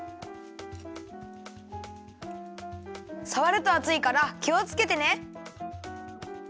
さわるとあついからきをつけてね。